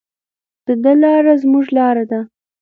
د ده لاره زموږ لاره ده.